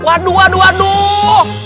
aduh aduh aduh